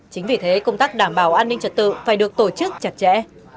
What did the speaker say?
chính vì thế công tác đảm bảo an ninh trật tự phải được tổ chức chặt chẽ